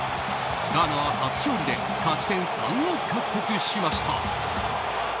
ガーナは初勝利で勝ち点３を獲得しました。